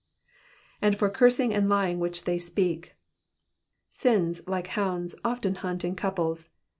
^^ And for cursing and lying lohich they speak.''^ Sins, like hounds, often hunt in couples.